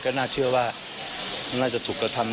ก็น่าเชื่อว่าน่าจะถูกกระทำ